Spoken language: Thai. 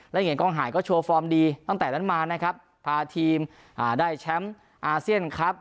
เหรียญกองหายก็โชว์ฟอร์มดีตั้งแต่นั้นมานะครับพาทีมได้แชมป์อาเซียนครับ